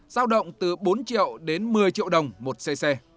giao động từ bốn triệu đến một mươi triệu đồng một cc